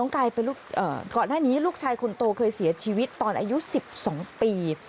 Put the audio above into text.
ก่อนหน้านี้ลูกชายคนโตเคยเสียชีวิตตอนอายุ๑๒ปี